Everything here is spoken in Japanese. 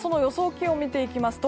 気温を見ていきますと